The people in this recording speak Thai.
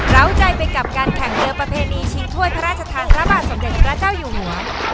้าวใจไปกับการแข่งเรือประเพณีชิงถ้วยพระราชทานพระบาทสมเด็จพระเจ้าอยู่หัว